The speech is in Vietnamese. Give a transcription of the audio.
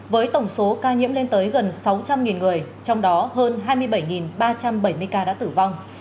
với tổng số ca nhiễm lên tới gần sáu trăm linh người trong đó hơn hai mươi bảy ba trăm bảy mươi ca đã tử vong